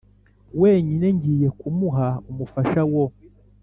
wenyine Ngiye kumuha umufasha wo